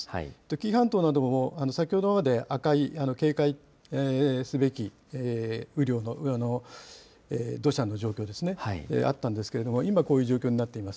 紀伊半島なども先ほどまで赤い、警戒すべき雨量の土砂の状況ですね、あったんですけれども、今こういう状況になっています。